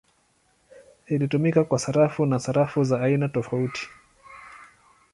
Ilitumika kwa sarafu na sarafu za aina tofauti.